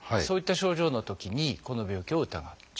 そういった症状のときにこの病気を疑う。